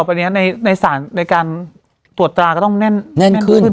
ต่อไปอันนี้ในสารในตรวจตราก็ต้องแน่นขึ้น